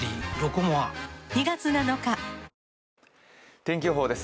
天気予報です。